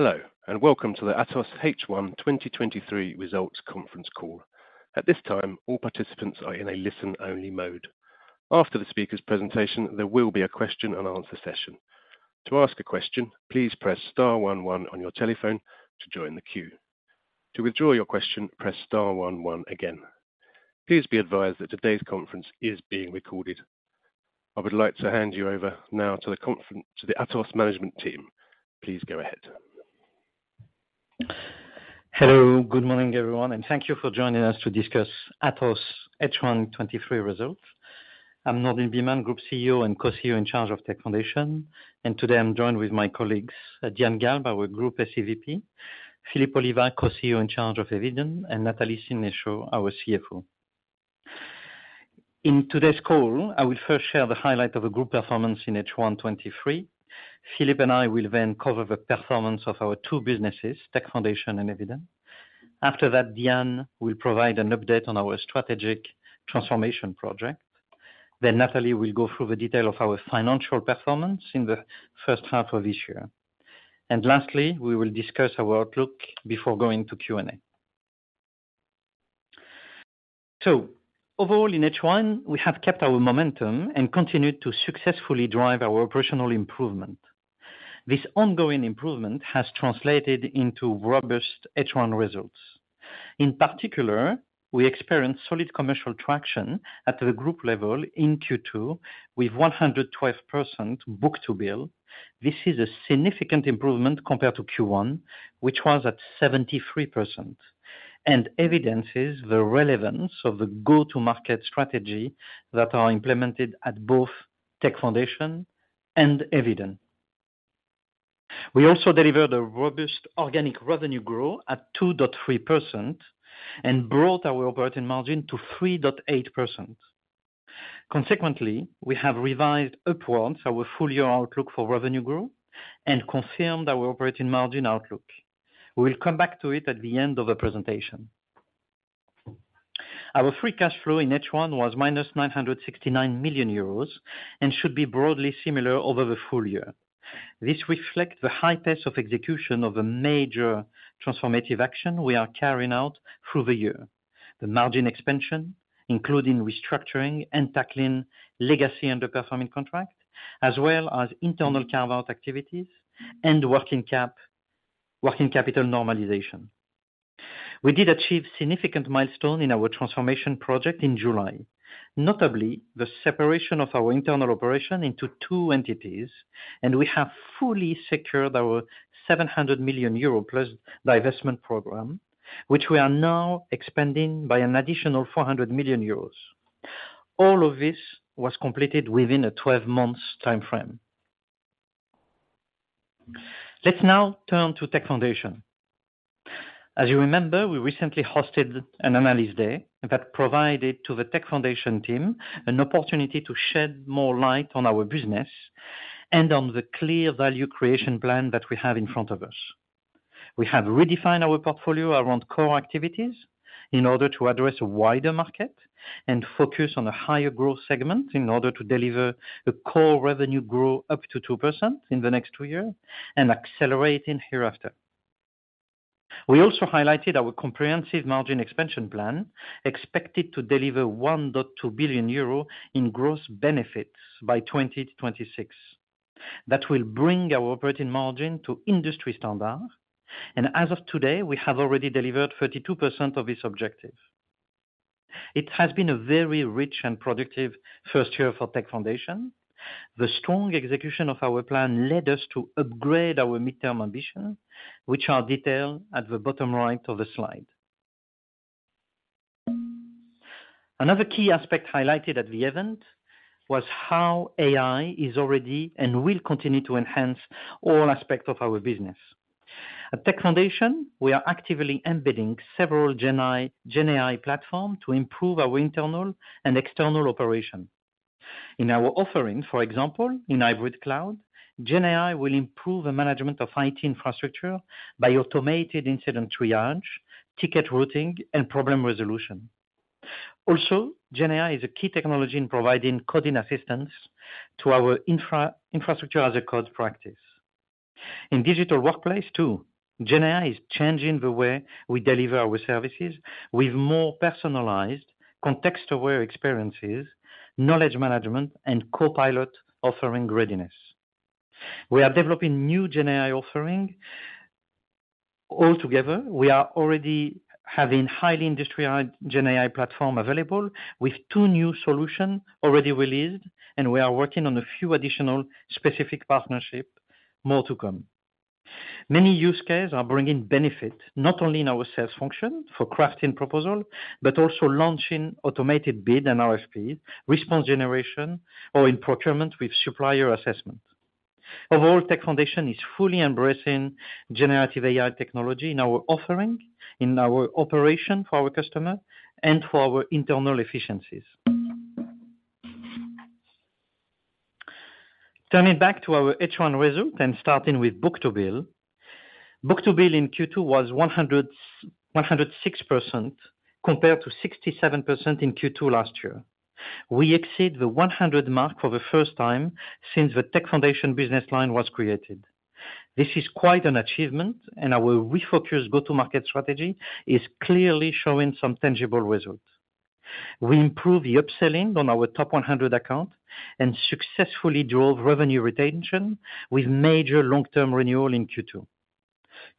Hello, welcome to the Atos H1 2023 Results Conference Call. At this time, all participants are in a listen-only mode. After the speaker's presentation, there will be a question and answer session. To ask a question, please press star one one on your telephone to join the queue. To withdraw your question, press star one one again. Please be advised that today's conference is being recorded. I would like to hand you over now to the Atos management team. Please go ahead. Hello. Good morning, everyone, thank you for joining us to discuss Atos H1 2023 results. I'm Nourdine Bihmane, Group CEO and Co-CEO in charge of Tech Foundations. Today I'm joined with my colleagues, Diane Galbe, our Group SEVP, Philippe Oliva, Co-CEO in charge of Eviden, and Nathalie Sénéchault, our CFO. In today's call, I will first share the highlight of the group performance in H1 2023. Philippe and I will then cover the performance of our two businesses, Tech Foundations and Eviden. After that, Diane will provide an update on our strategic transformation project. Nathalie will go through the detail of our financial performance in the first half of 2023. Lastly, we will discuss our outlook before going to Q&A. Overall, in H1, we have kept our momentum and continued to successfully drive our operational improvement. This ongoing improvement has translated into robust H1 results. In particular, we experienced solid commercial traction at the group level in Q2 with 112% book-to-bill. This is a significant improvement compared to Q1, which was at 73%, evidences the relevance of the go-to-market strategy that are implemented at both Tech Foundations and Eviden. We also delivered a robust organic revenue growth at 2.3% and brought our operating margin to 3.8%. Consequently, we have revised upwards our full year outlook for revenue growth and confirmed our operating margin outlook. We will come back to it at the end of the presentation. Our free cash flow in H1 was minus 969 million euros and should be broadly similar over the full year. This reflects the high pace of execution of a major transformative action we are carrying out through the year. The margin expansion, including restructuring and tackling legacy underperforming contract, as well as internal carve-out activities and working capital normalization. We did achieve significant milestone in our transformation project in July, notably the separation of our internal operation into two entities, and we have fully secured our 700 million euro+ divestment program, which we are now expanding by an additional 400 million euros. All of this was completed within a 12-months timeframe. Let's now turn to Tech Foundations. As you remember, we recently hosted an Analyst Day that provided to the Tech Foundations team an opportunity to shed more light on our business and on the clear value creation plan that we have in front of us. We have redefined our portfolio around core activities in order to address a wider market and focus on a higher growth segment in order to deliver a core revenue growth up to 2% in the next two years and accelerating hereafter. We also highlighted our comprehensive margin expansion plan, expected to deliver 1.2 billion euro in gross benefits by 2026. That will bring our operating margin to industry standard. As of today, we have already delivered 32% of this objective. It has been a very rich and productive 1st year for Tech Foundations. The strong execution of our plan led us to upgrade our midterm ambitions, which are detailed at the bottom right of the slide. A key aspect highlighted at the event was how AI is already and will continue to enhance all aspects of our business. At Tech Foundations, we are actively embedding several Gen AI platforms to improve our internal and external operations. In our offerings, for example, in Hybrid Cloud, Gen AI will improve the management of IT infrastructure by automated incident triage, ticket routing, and problem resolution. Also, Gen AI is a key technology in providing coding assistance to our Infrastructure as Code practice. In Digital Workplace, too, Gen AI is changing the way we deliver our services with more personalized context-aware experiences, knowledge management, and copilot offering readiness. We are developing new Gen AI offering. Altogether, we are already having highly industrialized Gen AI platform available, with 2 new solutions already released, and we are working on a few additional specific partnership. More to come. Many use cases are bringing benefits, not only in our sales function for crafting proposal, but also launching automated bid and RFP, response generation, or in procurement with supplier assessment. Overall, Tech Foundations is fully embracing Generative AI technology in our offering, in our operation for our customer, and for our internal efficiencies. Turning back to our H1 result and starting with book-to-bill. Book-to-bill in Q2 was 106%, compared to 67% in Q2 last year. We exceed the 100 mark for the first time since the Tech Foundations business line was created. Our refocused go-to-market strategy is clearly showing some tangible results. We improved the upselling on our top 100 accounts and successfully drove revenue retention with major long-term renewal in Q2.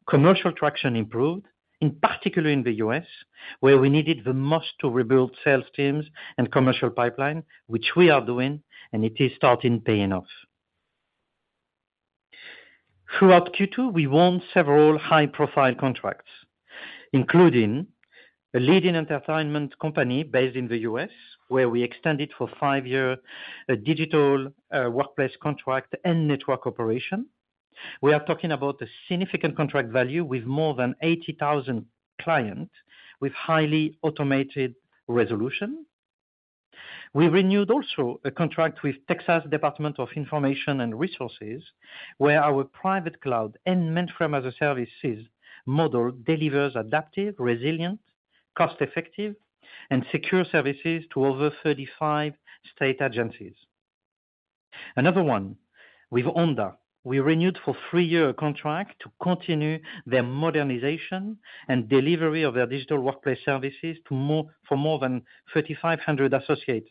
Commercial traction improved, in particular in the U.S., where we needed the most to rebuild sales teams and commercial pipeline, which we are doing, and it is starting paying off. Throughout Q2, we won several high-profile contracts, including a leading entertainment company based in the U.S., where we extended for 5 year, a Digital Workplace contract and network operation. We are talking about a significant contract value with more than 80,000 clients, with highly automated resolution. We renewed also a contract with Texas Department of Information Resources, where our private cloud and Mainframe-as-a-Service model delivers adaptive, resilient, cost-effective, and secure services to over 35 state agencies. Another one, with ONDA. We renewed for three-year-contract to continue their modernization and delivery of their Digital Workplace services for more than 3,500 associates.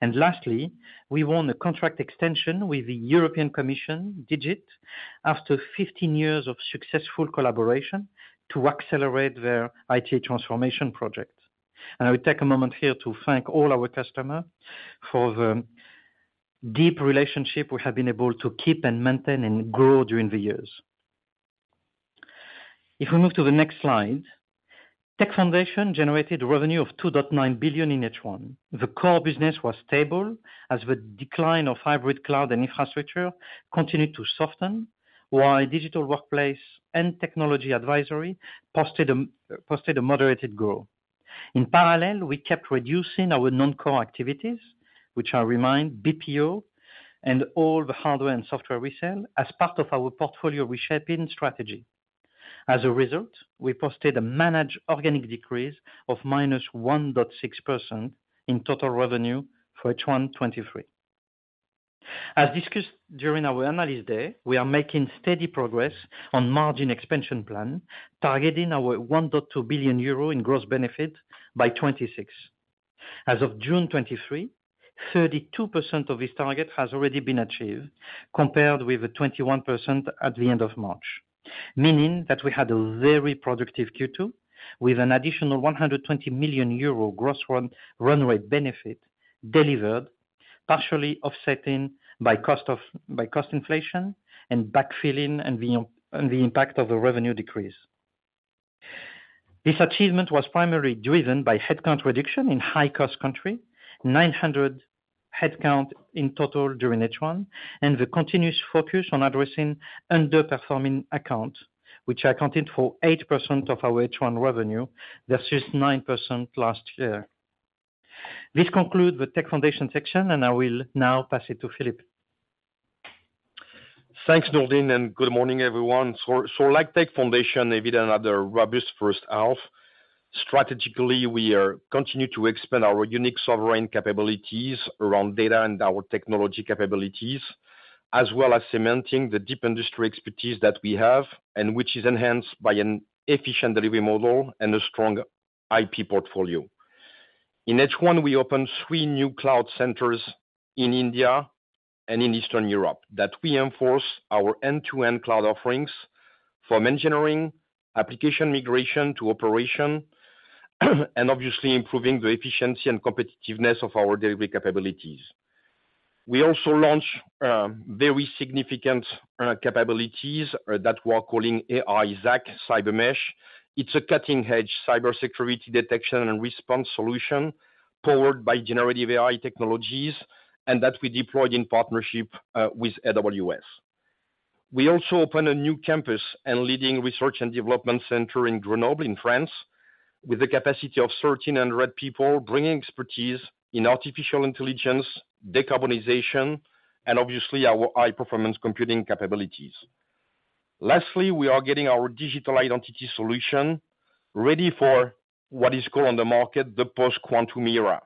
Lastly, we won a contract extension with the European Commission DIGIT, after 15 years of successful collaboration to accelerate their IT transformation project. I will take a moment here to thank all our customers for the deep relationship we have been able to keep and maintain and grow during the years. If we move to the next slide, Tech Foundations generated revenue of 2.9 billion in H1. The core business was stable as the decline of Hybrid Cloud and infrastructure continued to soften, while Digital Workplace and Technology Advisory posted a moderated growth. In parallel, we kept reducing our non-core activities, which I remind BPO and all the hardware and software we sell as part of our portfolio reshaping strategy. As a result, we posted a managed organic decrease of -1.6% in total revenue for H1 '23. As discussed during our analyst day, we are making steady progress on margin expansion plan, targeting 1.2 billion euro in gross benefit by 2026. As of June 2023, 32% of this target has already been achieved, compared with 21% at the end of March. Meaning that we had a very productive Q2, with an additional 120 million euro gross run rate benefit delivered, partially offsetting by cost inflation and backfilling, and the impact of the revenue decrease. This achievement was primarily driven by headcount reduction in high-cost country, 900 headcount in total during H1, and the continuous focus on addressing underperforming accounts, which accounted for 8% of our H1 revenue. That's just 9% last year. This concludes the Tech Foundations section. I will now pass it to Philippe. Thanks, Nourdine, and good morning, everyone. So like Tech Foundations, Eviden has had a robust first half. Strategically, we are continue to expand our unique sovereign capabilities around data and our technology capabilities, as well as cementing the deep industry expertise that we have, and which is enhanced by an efficient delivery model and a strong IP portfolio. In H1, we opened 3 new cloud centers in India and in Eastern Europe, that reinforce our end-to-end cloud offerings from engineering, application migration to operation, and obviously improving the efficiency and competitiveness of our delivery capabilities. We also launched very significant capabilities that we are calling AIsaac Cyber Mesh. It's a cutting-edge cybersecurity detection and response solution powered by Generative AI technologies, and that we deployed in partnership with AWS. We also opened a new campus and leading research and development center in Grenoble, in France, with a capacity of 1,300 people, bringing expertise in artificial intelligence, decarbonization, and obviously our high-performance computing capabilities. Lastly, we are getting our digital identity solution ready for what is called on the market, the post-quantum era.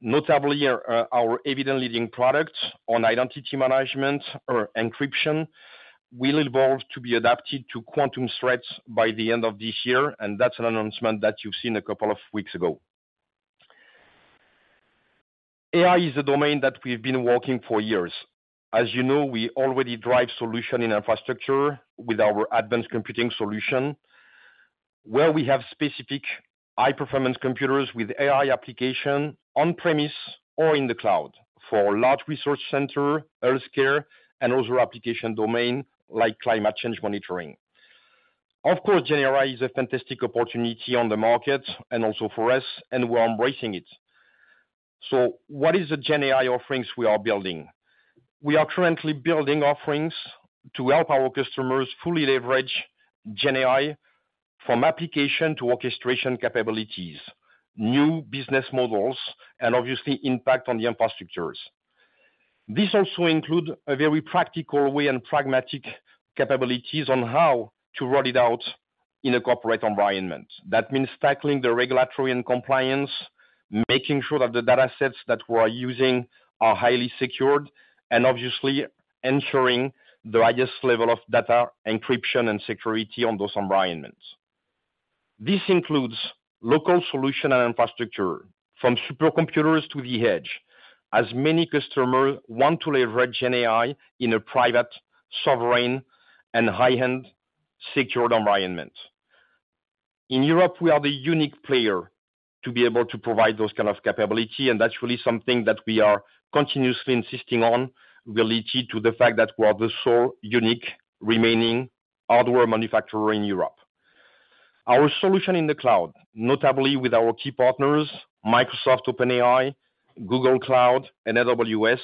Notably, our Eviden leading product on identity management or encryption, will evolve to be adapted to quantum threats by the end of this year, and that's an announcement that you've seen a couple of weeks ago. AI is a domain that we've been working for years. As you know, we already drive solution in infrastructure with our Advanced Computing solution, where we have specific high-performance computers with AI application on-premise or in the cloud for large research center, healthcare, and other application domain, like climate change monitoring. Of course, GenAI is a fantastic opportunity on the market and also for us, and we're embracing it. What is the GenAI offerings we are building? We are currently building offerings to help our customers fully leverage GenAI from application to orchestration capabilities, new business models, and obviously impact on the infrastructures. This also include a very practical way and pragmatic capabilities on how to roll it out in a corporate environment. That means tackling the regulatory and compliance, making sure that the datasets that we are using are highly secured, and obviously ensuring the highest level of data encryption and security on those environments. This includes local solution and infrastructure, from supercomputers to the edge, as many customers want to leverage GenAI in a private, Sovereign, and high-end secured environment. In Europe, we are the unique player to be able to provide those kind of capability. That's really something that we are continuously insisting on, related to the fact that we are the sole unique remaining hardware manufacturer in Europe. Our solution in the cloud, notably with our key partners, Microsoft, OpenAI, Google Cloud, and AWS,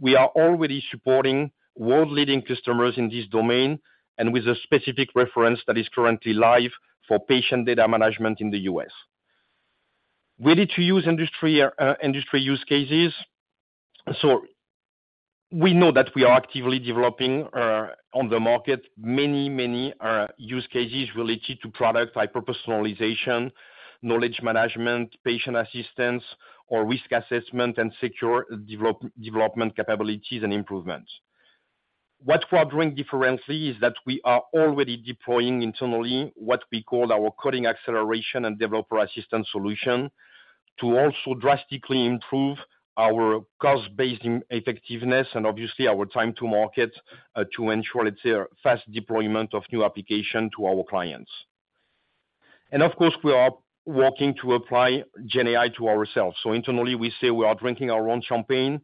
we are already supporting world-leading customers in this domain. With a specific reference that is currently live for patient data management in the US. Ready to use industry, industry use cases. We know that we are actively developing on the market many, many use cases related to product hyper-personalization, knowledge management, patient assistance, or risk assessment, and secure development capabilities and improvements. What we are doing differently is that we are already deploying internally what we call our coding acceleration and developer assistance solution, to also drastically improve our cost-based effectiveness and obviously our time to market, to ensure it's a fast deployment of new application to our clients. Of course, we are working to apply GenAI to ourselves. Internally, we say we are drinking our own champagne.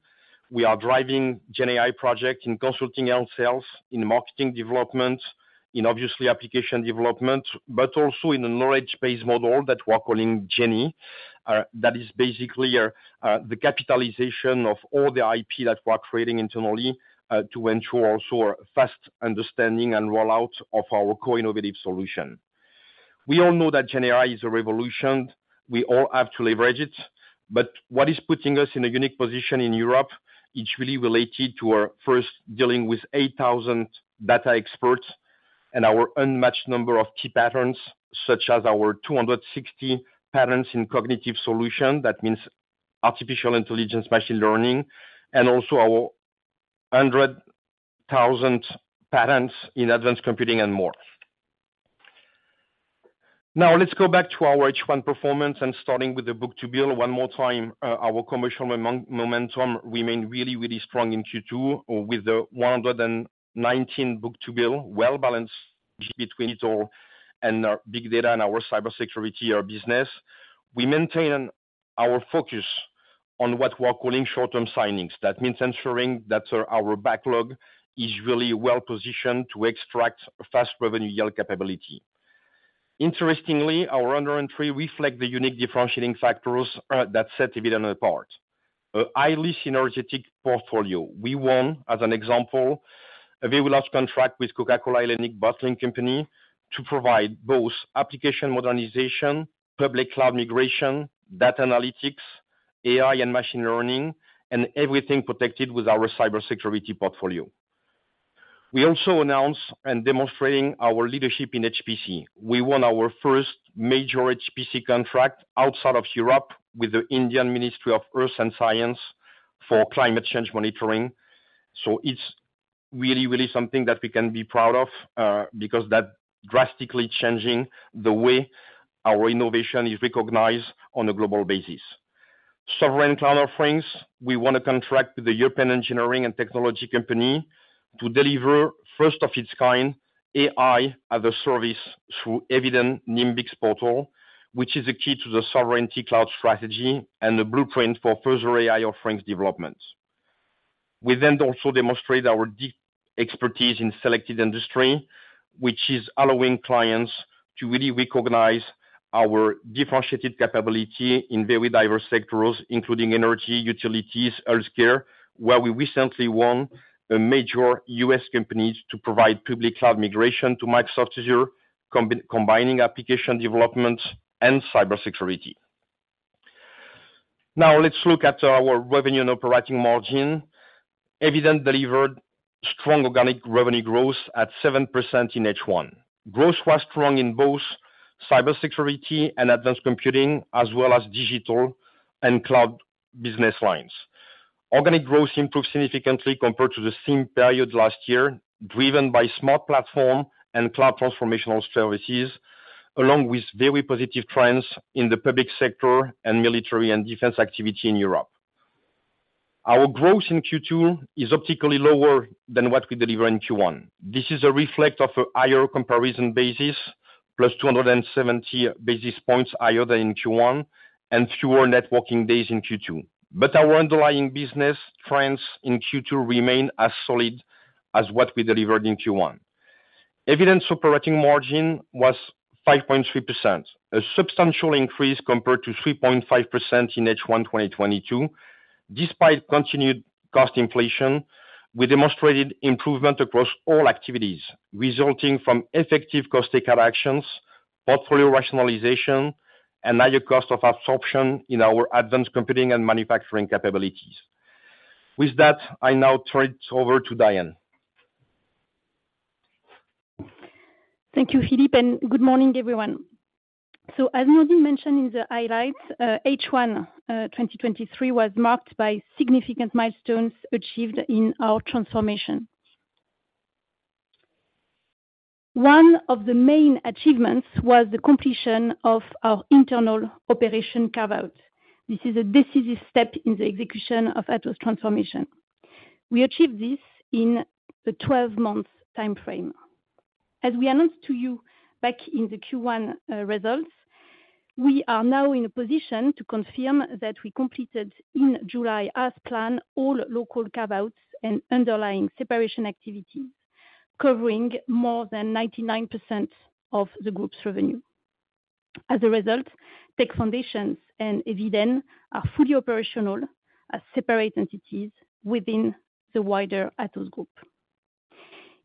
We are driving GenAI project in consulting and sales, in marketing development, in obviously application development, but also in a knowledge base model that we are calling Genie. That is basically a, the capitalization of all the IP that we're creating internally, to ensure also a fast understanding and rollout of our co-innovative solution. We all know that GenAI is a revolution. We all have to leverage it, but what is putting us in a unique position in Europe, is really related to our first dealing with 8,000 data experts and our unmatched number of key patents, such as our 260 patents in cognitive solution. That means artificial intelligence, machine learning, and also our 100,000 patents in Advanced Computing and more. Now, let's go back to our H1 performance and starting with the book-to-bill. One more time, our commercial momentum remained really, really strong in Q2 with the 119 book-to-bill, well balanced between it all and our big data and our cybersecurity, our business. We maintain our focus on what we're calling short-term signings. That means ensuring that our backlog is really well positioned to extract fast revenue yield capability. Interestingly, our order entry reflect the unique differentiating factors that set Eviden apart. A highly synergetic portfolio. We won, as an example, a very large contract with Coca-Cola Hellenic Bottling Company to provide both application modernization, public cloud migration, data analytics, AI and machine learning, and everything protected with our cybersecurity portfolio. We also announce and demonstrating our leadership in HPC. We won our first major HPC contract outside of Europe with the Ministry of Earth Sciences for climate change monitoring. It's really, really something that we can be proud of, because that drastically changing the way our innovation is recognized on a global basis. Sovereign Cloud offerings, we won a contract with the European Engineering and Technology Company to deliver first of its kind, AI as a service through Eviden Nimbix Portal, which is a key to the sovereignty cloud strategy and the blueprint for further AI offerings developments. We also demonstrate our deep expertise in selected industry, which is allowing clients to really recognize our differentiated capability in very diverse sectors, including energy, utilities, healthcare, where we recently won a major U.S. company to provide public cloud migration to Microsoft Azure, combining application development and cybersecurity. Now, let's look at our revenue and operating margin. Eviden delivered strong organic revenue growth at 7% in H1. Growth was strong in both cybersecurity and Advanced Computing, as well as Digital and Cloud business lines. Organic growth improved significantly compared to the same period last year, driven by Smart Platforms and cloud transformational services, along with very positive trends in the public sector and military and defense activity in Europe. Our growth in Q2 is optically lower than what we delivered in Q1. This is a reflect of a higher comparison basis, plus 270 basis points higher than in Q1 and fewer working days in Q2. Our underlying business trends in Q2 remain as solid as what we delivered in Q1. Eviden's operating margin was 5.3%, a substantial increase compared to 3.5% in H1 2022. Despite continued cost inflation, we demonstrated improvement across all activities, resulting from effective cost take-out actions-... portfolio rationalization, and higher cost of absorption in our Advanced Computing and manufacturing capabilities. With that, I now turn it over to Diane. Thank you, Philippe. Good morning, everyone. As already mentioned in the highlights, H1 2023 was marked by significant milestones achieved in our transformation. One of the main achievements was the completion of our internal operation carve-out. This is a decisive step in the execution of Atos' transformation. We achieved this in the 12-month timeframe. As we announced to you back in the Q1 results, we are now in a position to confirm that we completed in July, as planned, all local carve-outs and underlying separation activities, covering more than 99% of the group's revenue. As a result, Tech Foundations and Eviden are fully operational as separate entities within the wider Atos group.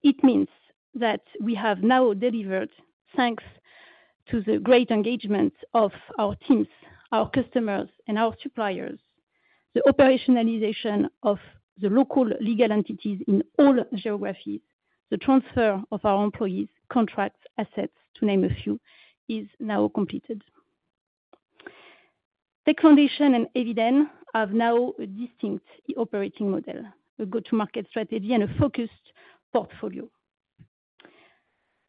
It means that we have now delivered, thanks to the great engagement of our teams, our customers, and our suppliers, the operationalization of the local legal entities in all geographies. The transfer of our employees, contracts, assets, to name a few, is now completed. Tech Foundations and Eviden have now a distinct operating model, a go-to-market strategy, and a focused portfolio.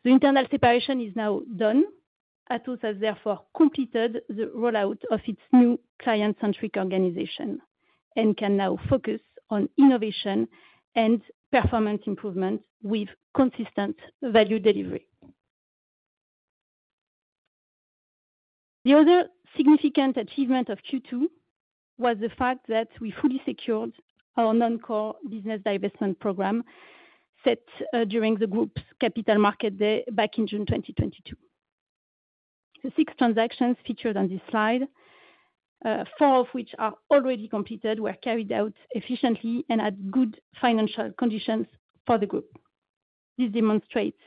The internal separation is now done. Atos has therefore completed the rollout of its new client-centric organization and can now focus on innovation and performance improvement with consistent value delivery. The other significant achievement of Q2 was the fact that we fully secured our non-core business divestment program set during the group's Capital Markets Day back in June 2022. The six transactions featured on this slide, four of which are already completed, were carried out efficiently and at good financial conditions for the group. This demonstrates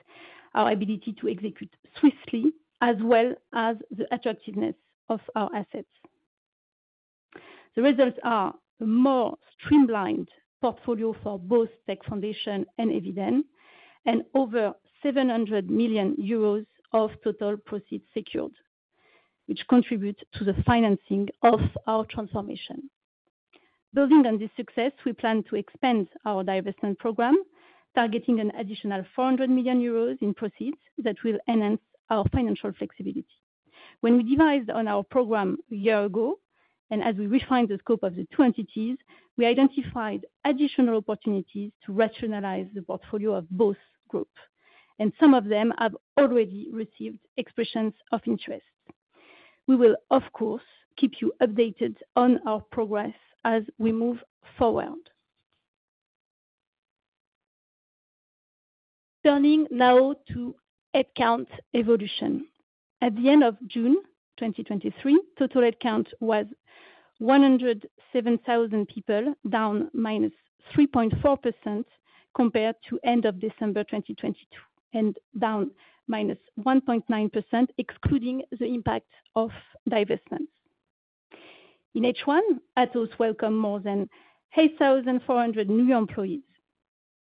our ability to execute swiftly as well as the attractiveness of our assets. The results are a more streamlined portfolio for both Tech Foundations and Eviden, and over 700 million euros of total proceeds secured, which contributes to the financing of our transformation. Building on this success, we plan to expand our divestment program, targeting an additional 400 million euros in proceeds that will enhance our financial flexibility. When we devised on our program a year ago, and as we refined the scope of the two entities, we identified additional opportunities to rationalize the portfolio of both group. Some of them have already received expressions of interest. We will, of course, keep you updated on our progress as we move forward. Turning now to headcount evolution. At the end of June 2023, total headcount was 107,000 people, down -3.4% compared to end of December 2022, and down -1.9%, excluding the impact of divestments. In H1, Atos welcome more than 8,400 new employees.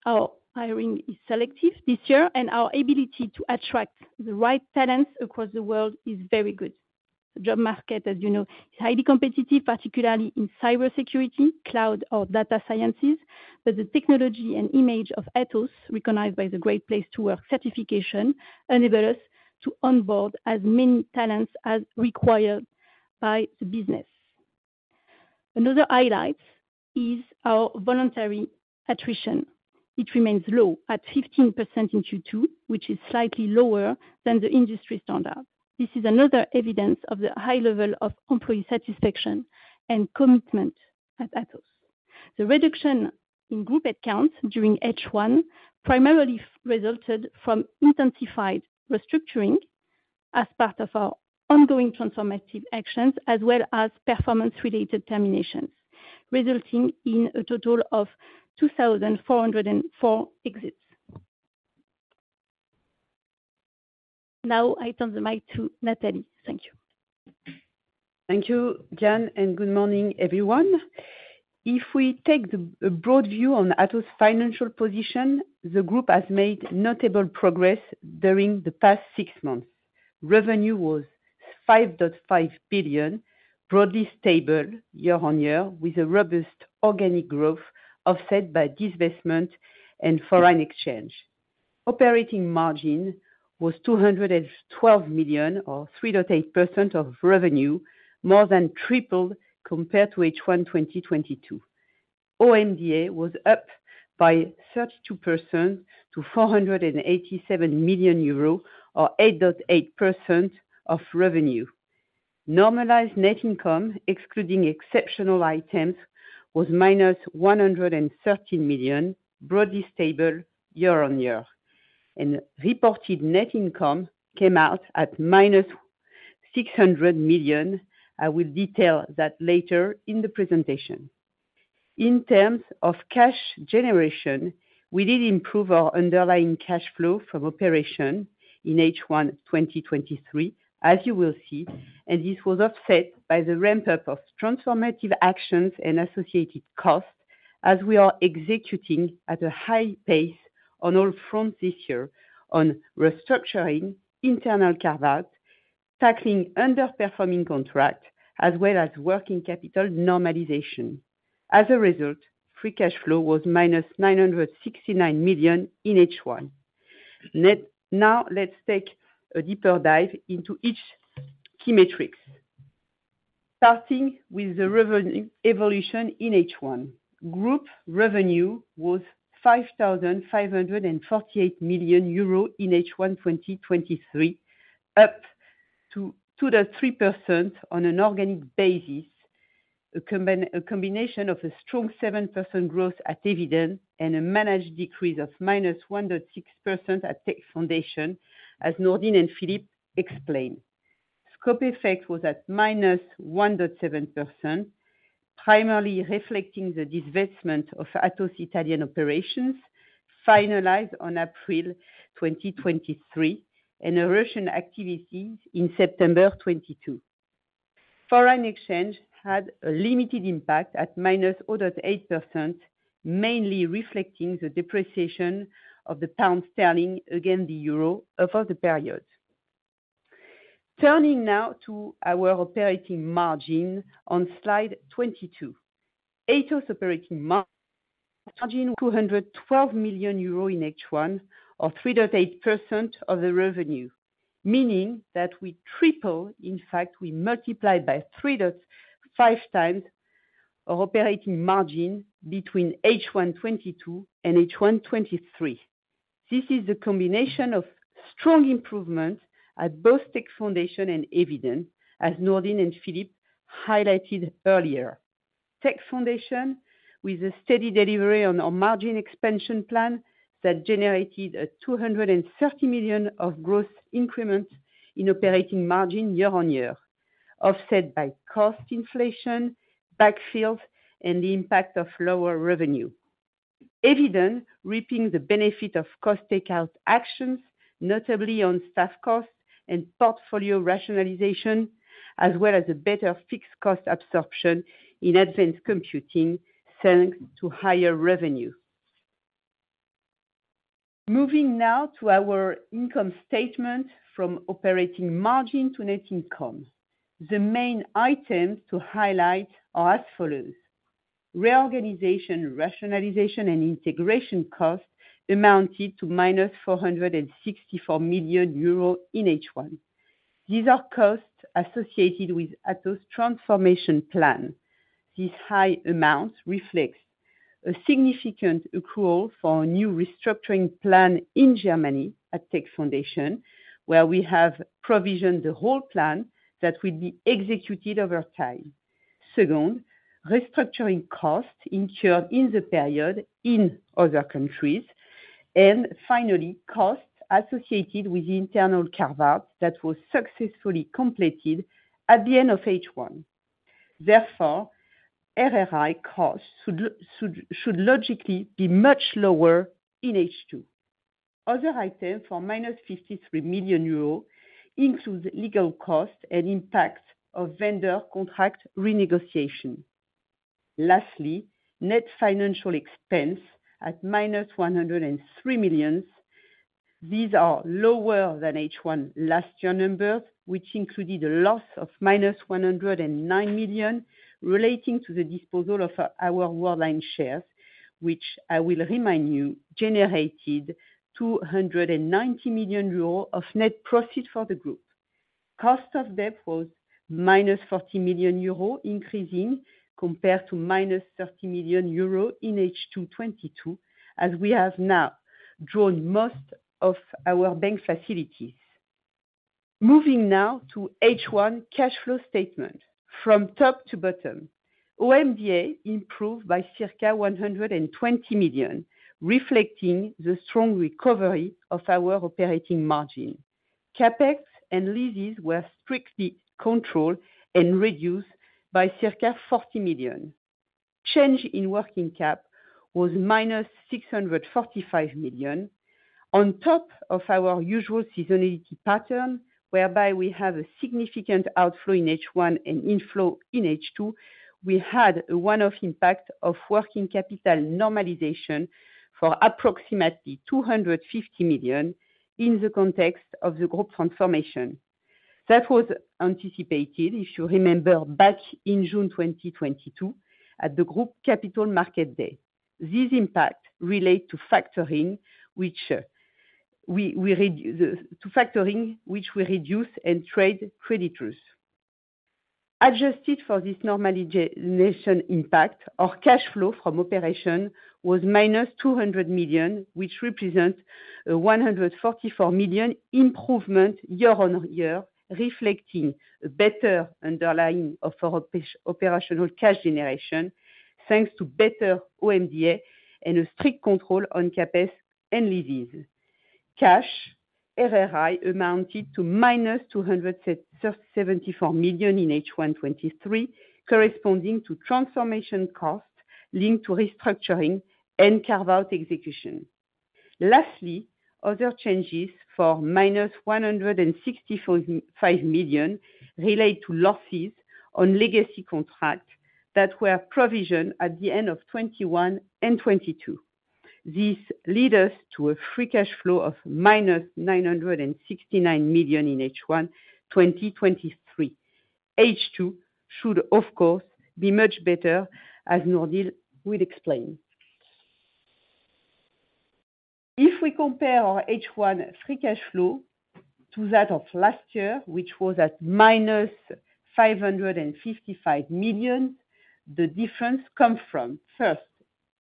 Our hiring is selective this year, our ability to attract the right talents across the world is very good. The job market, as you know, is highly competitive, particularly in cybersecurity, cloud, or data sciences, the technology and image of Atos, recognized by the Great Place to Work certification, enable us to onboard as many talents as required by the business. Another highlight is our voluntary attrition. It remains low at 15% in Q2, which is slightly lower than the industry standard. This is another evidence of the high level of employee satisfaction and commitment at Atos. The reduction in group headcount during H1 primarily resulted from intensified restructuring as part of our ongoing transformative actions, as well as performance-related terminations, resulting in a total of 2,404 exits. Now, I turn the mic to Nathalie. Thank you. Thank you, Diane. Good morning, everyone. If we take the broad view on Atos' financial position, the group has made notable progress during the past six months. Revenue was 5.5 billion, broadly stable year-over-year, with a robust organic growth offset by divestment and foreign exchange. Operating margin was 212 million, or 3.8% of revenue, more than tripled compared to H1 2022. OMDA was up by 32% to 487 million euro, or 8.8% of revenue. Normalized net income, excluding exceptional items, was -113 million, broadly stable year-over-year. Reported net income came out at -600 million. I will detail that later in the presentation. In terms of cash generation, we did improve our underlying cash flow from operation in H1 2023, as you will see. This was offset by the ramp-up of transformative actions and associated costs, as we are executing at a high pace on all fronts this year on restructuring, internal carve-out, tackling underperforming contract, as well as working capital normalization. As a result, free cash flow was minus 969 million in H1. Now let's take a deeper dive into each key metrics. Starting with the revenue evolution in H1. Group revenue was 5,548 million euros in H1 2023, up to the 3% on an organic basis, a combination of a strong 7% growth at Eviden and a managed decrease of minus 1.6% at Tech Foundations, as Nourdine and Philippe explained. Scope effect was at -1.7%, primarily reflecting the divestment of Atos Italian operations, finalized on April 2023, and Russian activities in September 2022. Foreign exchange had a limited impact at -0.8%, mainly reflecting the depreciation of the pound sterling against the euro over the period. Turning now to our operating margin on slide 22. Atos operating margin, EUR 212 million in H1, or 3.8% of the revenue, meaning that we triple, in fact, we multiply by 3.5 times our operating margin between H1 2022 and H1 2023. This is a combination of strong improvement at both Tech Foundations and Eviden, as Nourdine and Philippe highlighted earlier. Tech Foundations, with a steady delivery on our margin expansion plan that generated 230 million of growth increment in operating margin year-on-year, offset by cost inflation, backfill, and the impact of lower revenue. Eviden, reaping the benefit of cost takeout actions, notably on staff costs and portfolio rationalization, as well as a better fixed cost absorption in Advanced Computing, thanks to higher revenue. Moving now to our income statement from operating margin to net income. The main items to highlight are as follows: Reorganization, Rationalization, and Integration costs amounted to -464 million euros in H1. These are costs associated with Atos transformation plan. This high amount reflects a significant accrual for our new restructuring plan in Germany at Tech Foundations, where we have provisioned the whole plan that will be executed over time. Second, restructuring costs incurred in the period in other countries. Finally, costs associated with the internal carve-out that was successfully completed at the end of H1. Therefore, RRI costs should logically be much lower in H2. Other items for -53 million euros includes legal costs and impacts of vendor contract renegotiation. Lastly, net financial expense at -103 million. These are lower than H1 last year numbers, which included a loss of -109 million relating to the disposal of our Worldline shares, which I will remind you, generated 290 million euros of net profit for the group. Cost of debt was -40 million euros, increasing compared to -30 million euros in H2 2022, as we have now drawn most of our bank facilities. Moving now to H1 cash flow statement. From top to bottom, OMDA improved by circa 120 million, reflecting the strong recovery of our operating margin. CapEx and leases were strictly controlled and reduced by circa 40 million. Change in working cap was -645 million. On top of our usual seasonality pattern, whereby we have a significant outflow in H1 and inflow in H2, we had a one-off impact of working capital normalization for approximately 250 million in the context of the group transformation. That was anticipated, if you remember, back in June 2022, at the Group Capital Markets Day. This impact relates to factoring, which we reduce and trade creditors. Adjusted for this normalization impact, our cash flow from operation was minus 200 million, which represent a 144 million improvement year-over-year, reflecting a better underlying of our operational cash generation, thanks to better OMDA and a strict control on CapEx and leases. cash, RRI amounted to minus 274 million in H1 2023, corresponding to transformation costs linked to restructuring and carve-out execution. Lastly, other changes for minus 165 million relate to losses on legacy contracts that were provisioned at the end of 2021 and 2022. This lead us to a free cash flow of minus 969 million in H1 2023. H2 should, of course, be much better, as Nourdine will explain. If we compare our H1 free cash flow to that of last year, which was at -555 million, the difference come from, first,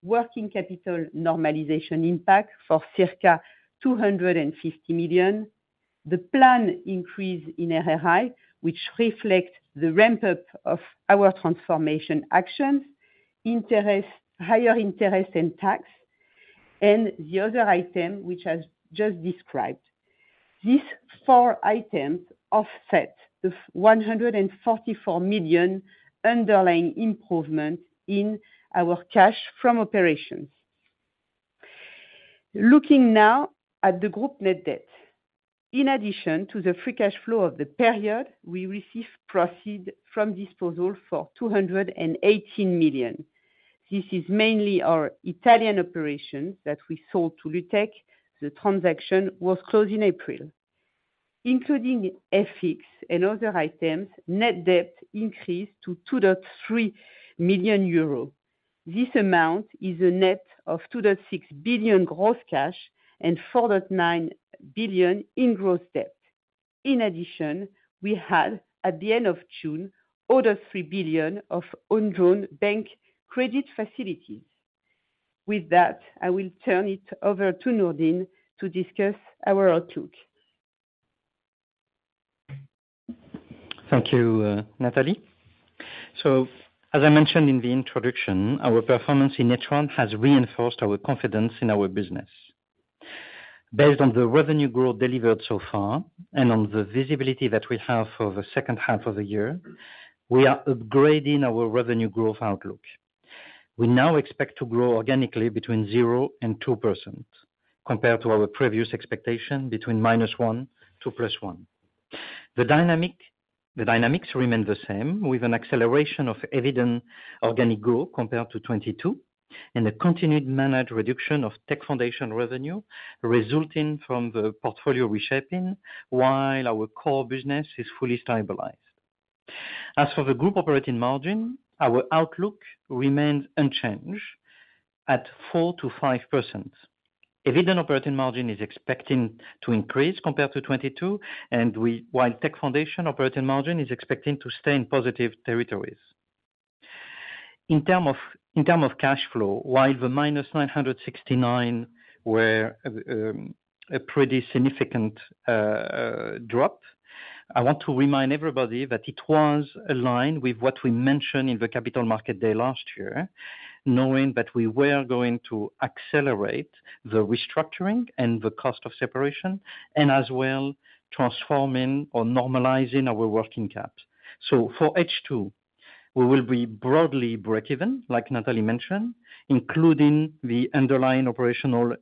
working capital normalization impact for circa 250 million. The plan increase in RRI, which reflects the ramp-up of our transformation actions, interest, higher interest and tax, and the other item, which I just described. These four items offset the 144 million underlying improvement in our cash from operations. Looking now at the group net debt. In addition to the free cash flow of the period, we receive proceed from disposal for 218 million. This is mainly our Italian operations that we sold to Lutech. The transaction was closed in April. Including FX and other items, net debt increased to 2.3 million euro. This amount is a net of 2.6 billion gross cash and 4.9 billion in gross debt. In addition, we had, at the end of June, other 3 billion of undrawn bank credit facilities. With that, I will turn it over to Nourdine to discuss our outlook. Thank you, Nathalie. As I mentioned in the introduction, our performance in H1 has reinforced our confidence in our business. Based on the revenue growth delivered so far, and on the visibility that we have for the second half of the year, we are upgrading our revenue growth outlook. We now expect to grow organically between 0%-2%, compared to our previous expectation between -1% to +1%. The dynamics remain the same, with an acceleration of Eviden organic growth compared to 2022, and a continued managed reduction of Tech Foundations revenue resulting from the portfolio reshaping, while our core business is fully stabilized. As for the group operating margin, our outlook remains unchanged at 4%-5%. Eviden operating margin is expecting to increase compared to 2022, while Tech Foundations operating margin is expecting to stay in positive territories. In term of, in term of cash flow, while the -969 were a pretty significant drop, I want to remind everybody that it was aligned with what we mentioned in the Capital Markets Day last year, knowing that we were going to accelerate the restructuring and the cost of separation, and as well, transforming or normalizing our working cap. For H2, we will be broadly breakeven, like Nathalie mentioned, including the underlying operational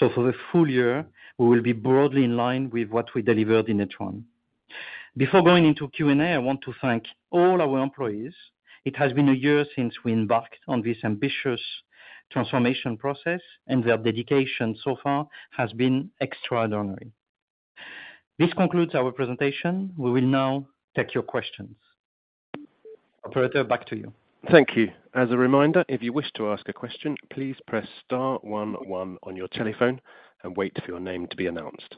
improvement. For the full year, we will be broadly in line with what we delivered in H1. Before going into Q&A, I want to thank all our employees. It has been a year since we embarked on this ambitious transformation process, and their dedication so far has been extraordinary. This concludes our presentation. We will now take your questions. Operator, back to you. Thank you. As a reminder, if you wish to ask a question, please press star one, one on your telephone and wait for your name to be announced.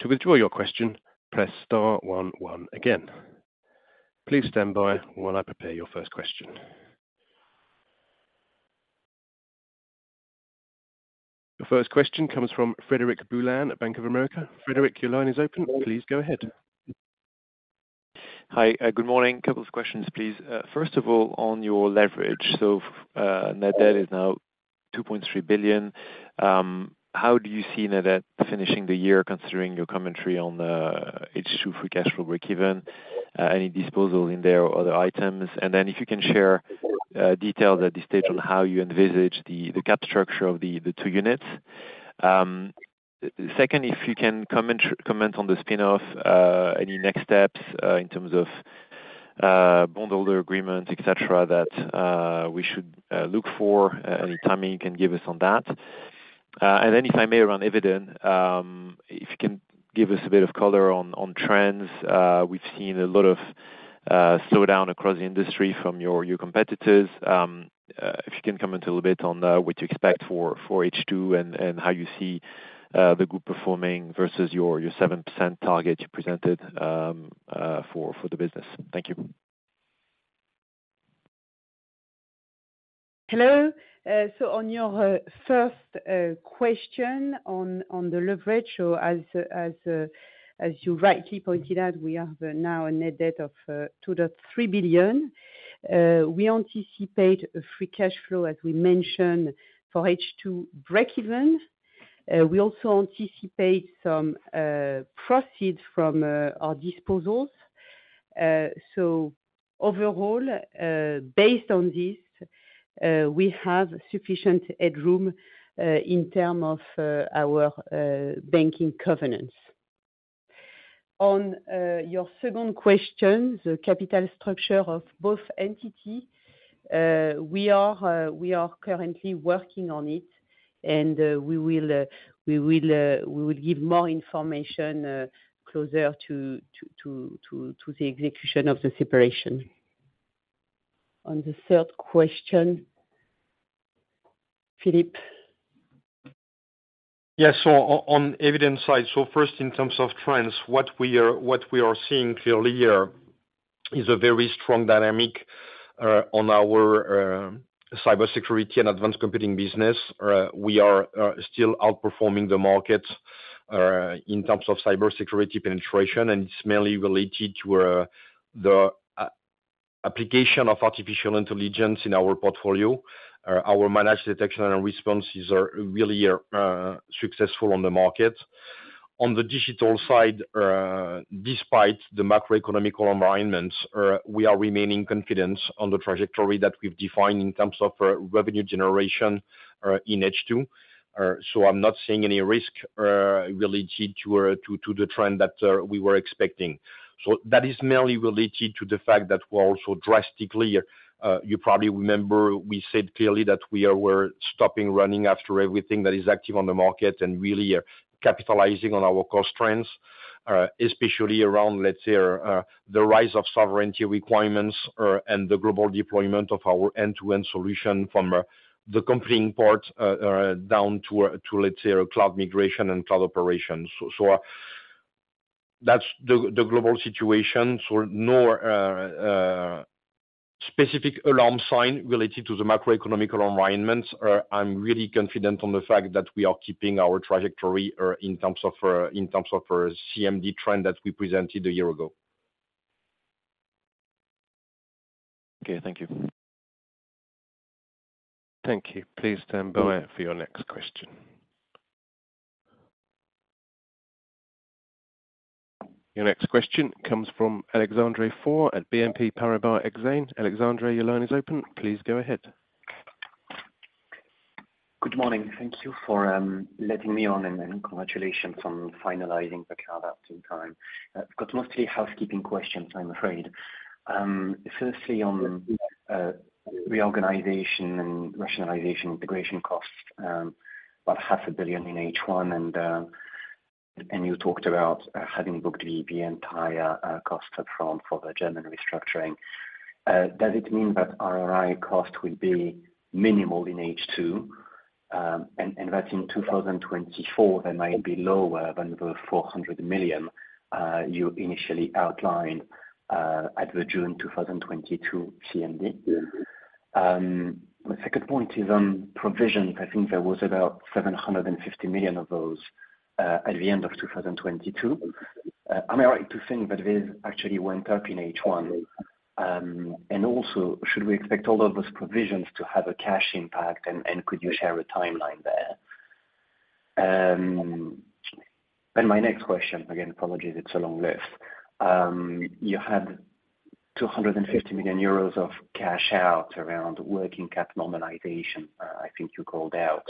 To withdraw your question, press star one, one again. Please stand by while I prepare your first question. The first question comes from Frederic Boulan at Bank of America. Frederic, your line is open. Please go ahead. Hi, good morning. Couple of questions, please. First of all, on your leverage. Net debt is now 2.3 billion. How do you see net debt finishing the year, considering your commentary on H2 free cash flow breakeven, any disposal in there or other items? If you can share details at this stage on how you envisage the cap structure of the two units. Second, if you can comment, comment on the spinoff, any next steps in terms of bondholder agreements, et cetera, that we should look for, any timing you can give us on that. If I may, around Eviden, if you can give us a bit of color on, on trends. We've seen a lot of slowdown across the industry from your competitors. If you can comment a little bit on what you expect for H2 and how you see the group performing versus your 7% target you presented for the business. Thank you. Hello. On your first question on the leverage, as you rightly pointed out, we have now a net debt of 2.3 billion. We anticipate a free cash flow, as we mentioned, for H2 breakeven. We also anticipate some proceeds from our disposals. Overall, based on this, we have sufficient headroom in term of our banking covenants. On your second question, the capital structure of both entity, we are currently working on it, we will give more information closer to the execution of the separation. On the third question, Philippe? On Eviden side, first in terms of trends, what we are, what we are seeing clearly here is a very strong dynamic on our cybersecurity and Advanced Computing business. We are still outperforming the market in terms of cybersecurity penetration, and it's mainly related to the application of artificial intelligence in our portfolio. Our Managed Detection and Response are really successful on the market. On the digital side, despite the macroeconomic environment, we are remaining confident on the trajectory that we've defined in terms of revenue generation in H2. I'm not seeing any risk related to the trend that we were expecting. That is mainly related to the fact that we're also drastically, you probably remember, we said clearly that we're stopping running after everything that is active on the market and really are capitalizing on our cost trends, especially around, let's say, the rise of sovereignty requirements, and the global deployment of our end-to-end solution from the computing part, down to, to, let's say, cloud migration and cloud operations. So, that's the global situation. No specific alarm sign related to the macroeconomic environment. I'm really confident on the fact that we are keeping our trajectory in terms of, in terms of, CMD trend that we presented a year ago. Okay. Thank you. Thank you. Please stand by for your next question. Your next question comes from Alexandre Faure at BNP Paribas Exane. Alexandre, your line is open. Please go ahead. Good morning. Thank you for letting me on, and then congratulations on finalizing the carve-out in time. I've got mostly housekeeping questions, I'm afraid. Firstly, on reorganization and rationalization, integration costs, about 500 million in H1, and you talked about having booked the entire cost up front for the German restructuring. Does it mean that RRI cost will be minimal in H2, and that in 2024, they might be lower than the 400 million you initially outlined at the June 2022 CMD? My second point is on provisions. I think there was about 750 million of those at the end of 2022. Am I right to think that this actually went up in H1? Should we expect all of those provisions to have a cash impact, and could you share a timeline there? Again, apologies, it's a long list. You had 250 million euros of cash out around working capital normalization, I think you called out.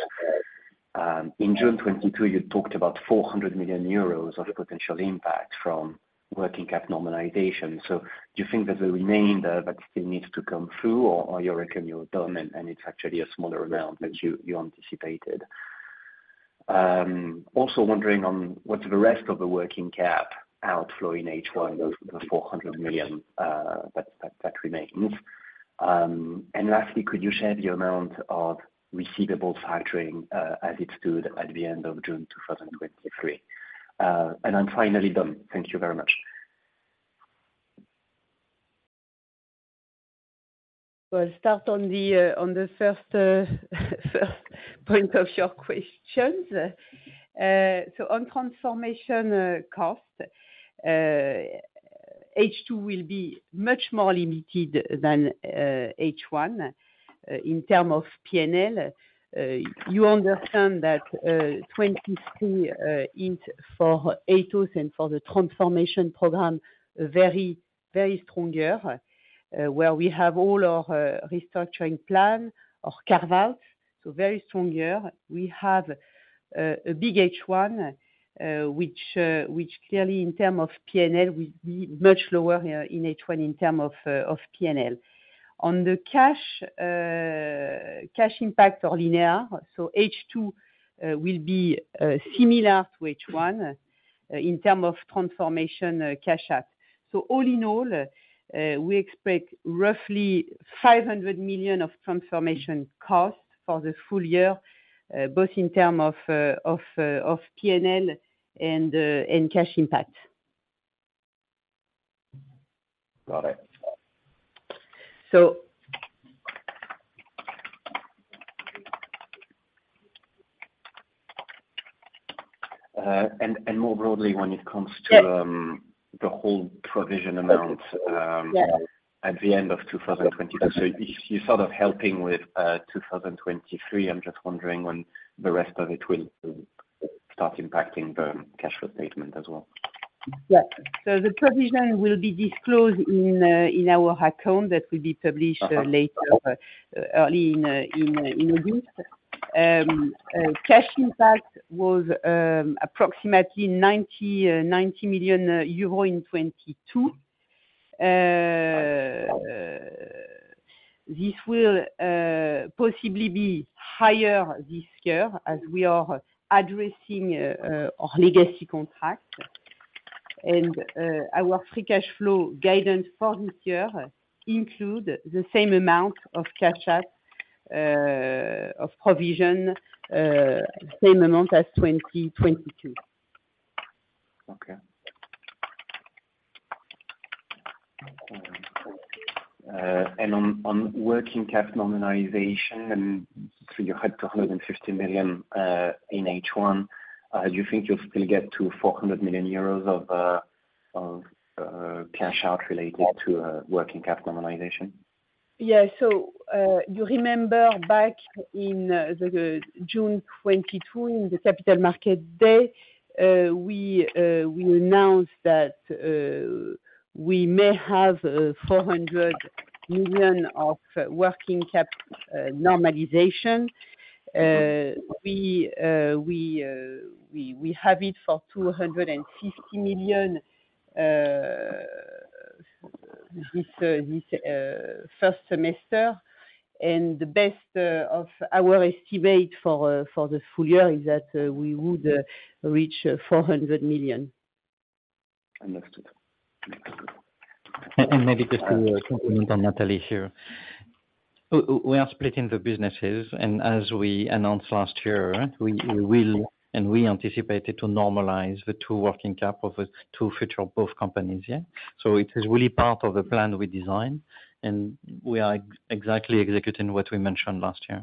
In June 2022, you talked about 400 million euros of potential impact from working capital normalization. Do you think there's a remainder that still needs to come through, or you reckon you're done, and it's actually a smaller amount that you anticipated? What's the rest of the working cap outflow in H1, the 400 million that remains. Lastly, could you share the amount of receivable factoring, as it stood at the end of June 2023? I'm finally done. Thank you very much. Well, start on the on the first first point of your questions. So on transformation cost, H2 will be much more limited than H1 in terms of PNL. You understand that 2023, in, for Atos and for the transformation program, very, very strong year, where we have all our restructuring plan or carve-out, so very strong year. We have a big H1, which which clearly in terms of PNL will be much lower in H1 in terms of PNL. On the cash, cash impact are linear, so H2 will be similar to H1 in terms of transformation cash out. All in all, we expect roughly 500 million of transformation costs for the full year, both in term of PNL and cash impact. Got it. More broadly, when it comes to the whole provision amount. Yeah. At the end of 2022, so you, you're sort of helping with, 2023. I'm just wondering when the rest of it will start impacting the cash flow statement as well? Yeah. The provision will be disclosed in our account. That will be published later, early in August. Cash impact was approximately EUR 90 million in 2022. This will possibly be higher this year, as we are addressing our legacy contract. Our free cash flow guidance for this year include the same amount of cash out of provision, same amount as 2022. Okay. On, on working capital normalization, so you had 250 million in H1, do you think you'll still get to 400 million euros of cash out related to working capital normalization? Yeah. You remember back in the June 2022, in the Capital Markets Day, we announced that we may have 400 million of working cap normalization. We have it for 250 million this first semester. The best of our estimate for for the full year is that we would reach 400 million. Understood. Maybe just to complement what Nathalie here. We are splitting the businesses, and as we announced last year, we will, and we anticipated to normalize the two working cap of the two future, both companies. Yeah? It is really part of the plan we designed, and we are exactly executing what we mentioned last year.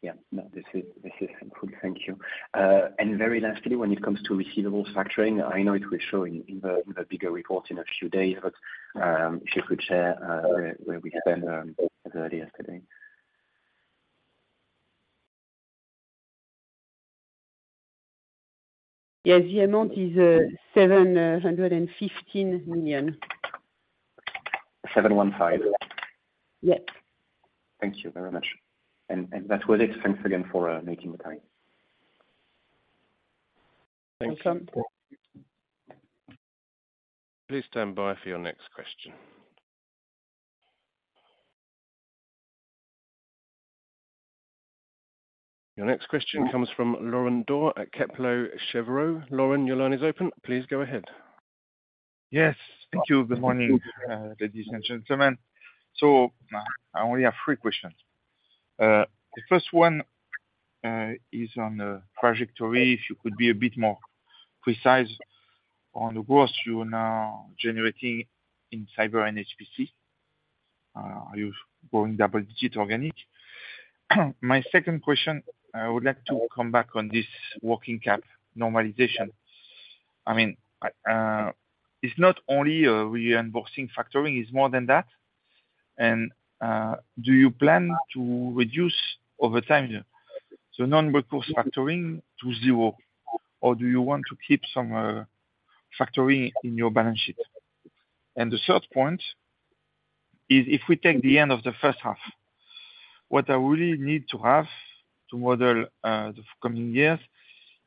Right. Right. Yeah. No, this is, this is helpful. Thank you. Very lastly, when it comes to receivable factoring, I know it will show in, in the, in the bigger report in a few days, but if you could share where we stand as of yesterday? Yes. The amount is 715 million. 715? Yes. Thank you very much. That was it. Thanks again for making the time. Thank you. Welcome. Please stand by for your next question. Your next question comes from Laurent Daure at Kepler Cheuvreux. Laurent, your line is open. Please go ahead. Yes. Thank you. Good morning, ladies and gentlemen. I only have three questions. The first one is on the trajectory. If you could be a bit more precise on the growth you are now generating in cyber and HPC. Are you growing double-digit organic? My second question, I would like to come back on this working cap normalization. I mean, it's not only a reinvoicing factoring, it's more than that. Do you plan to reduce over time, so non-recourse factoring to 0, or do you want to keep some factoring in your balance sheet? The third point is, if we take the end of the first half, what I really need to have to model the coming years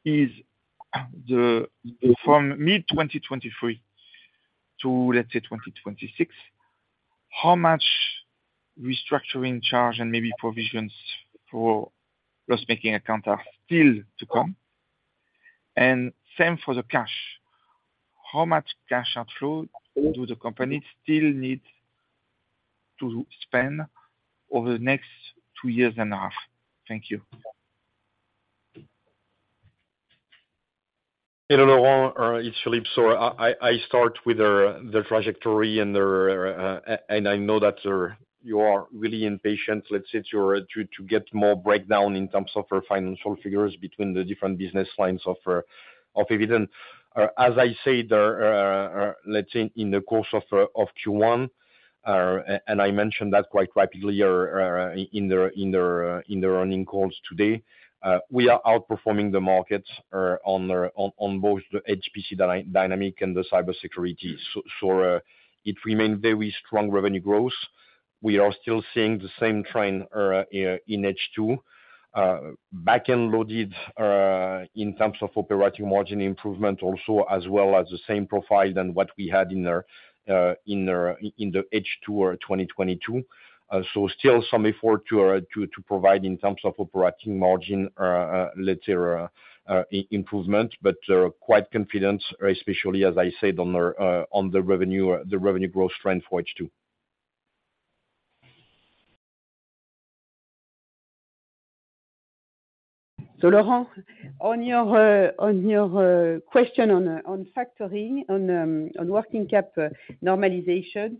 is the, from mid-2023 to, let's say, 2026, how much restructuring charge and maybe provisions for loss-making accounts are still to come? Same for the cash. How much cash outflow do the company still need to spend over the next 2.5 years? Thank you. Hello, Laurent Daure. It's Philippe Oliva. I, I, I start with the trajectory and I know that you are really impatient. Let's say, to get more breakdown in terms of our financial figures between the different business lines of Eviden. As I said, there, let's say in the course of Q1, and I mentioned that quite rapidly in the earning calls today, we are outperforming the markets on both the HPC dynamic and the cybersecurity. It remains very strong revenue growth. We are still seeing the same trend in H2, back-end loaded, in terms of operating margin improvement, also, as well as the same profile than what we had in the H2 or 2022. Still some effort to provide in terms of operating margin, let's say, improvement, quite confident, especially, as I said, on the revenue, the revenue growth trend for H2. Laurent, on your question on factoring, on working cap normalization.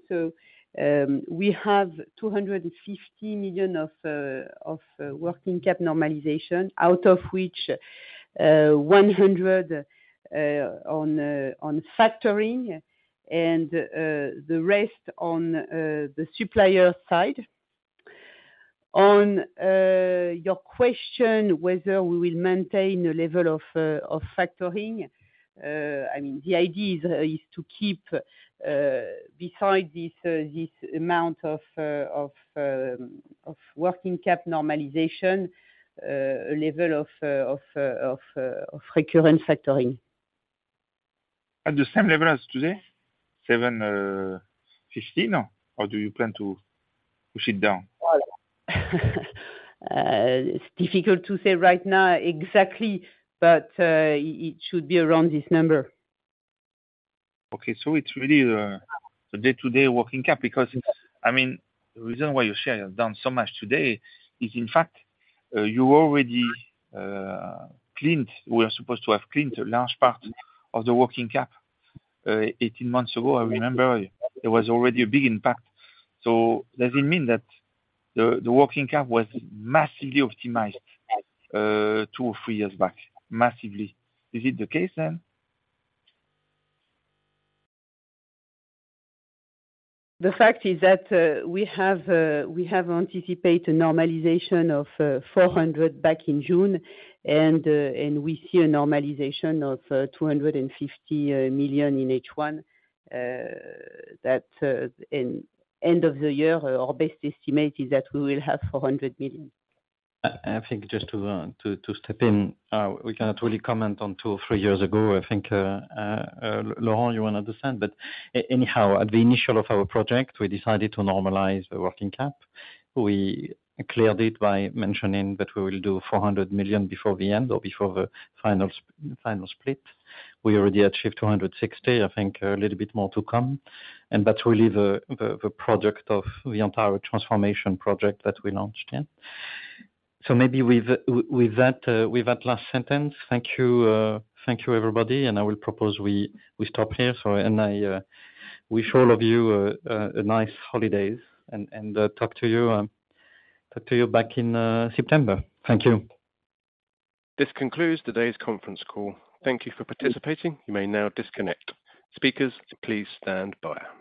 We have 250 million of working cap normalization out of which 100 million on factoring and the rest on the supplier side. On your question, whether we will maintain a level of factoring, I mean, the idea is to keep beside this amount of working cap normalization, a level of recurrent factoring. At the same level as today, 715? Or do you plan to push it down? It's difficult to say right now exactly, but it should be around this number. Okay. It's really the, the day-to-day working cap, because it's, I mean, the reason why your share has down so much today is, in fact, you already cleaned. We are supposed to have cleaned a large part of the working cap, 18 months ago. I remember there was already a big impact. Does it mean that the, the working cap was massively optimized, 2 or 3 years back? Massively. Is it the case, then? The fact is that, we have, we have anticipated a normalization of 400 back in June, and we see a normalization of 250 million in H1. That, in end of the year, our best estimate is that we will have 400 million. I, I think just to, to step in, we cannot really comment on two or three years ago. I think, Laurent, you wanna understand. Anyhow, at the initial of our project, we decided to normalize the working cap. We cleared it by mentioning that we will do 400 million before the end or before the final split. We already achieved 260 million, I think, a little bit more to come, and that's really the project of the entire transformation project that we launched, yeah. Maybe with that last sentence, thank you, everybody, and I will propose we stop here. I wish all of you a nice holidays and talk to you back in September. Thank you. This concludes today's conference call. Thank you for participating. You may now disconnect. Speakers, please stand by.